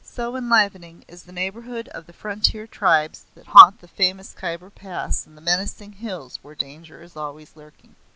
So enlivening is the neighbourhood of the frontier tribes that haunt the famous Khyber Pass and the menacing hills where danger is always lurking.